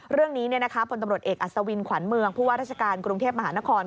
เรื่องนี้พลตำรวจเอกอัศวินขวัญเมืองผู้ว่าราชการกรุงเทพมหานคร